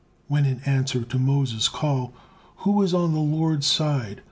When, in answer to Moses' call: "Who is on the Lord's side?